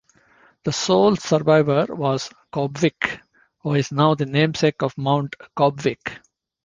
The sole survivor was Caubvick, who is now the namesake of Mount Caubvick.